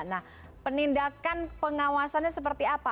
nah penindakan pengawasannya seperti apa